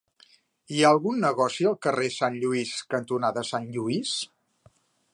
Hi ha algun negoci al carrer Sant Lluís cantonada Sant Lluís?